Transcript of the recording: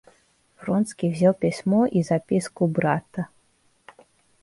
Вронский взял письмо и записку брата.